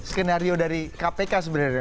skenario dari kpk sebenarnya